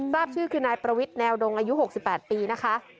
ภาพชื่อคือนายประวิทย์แนวดงอายุหกสิบแปดปีนะคะ